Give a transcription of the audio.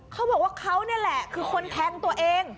เขาบอกว่าเขานี่แหละคือคนแทงตัวเอง